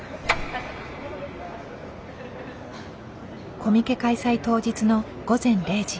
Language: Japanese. コミケ開催当日の午前０時。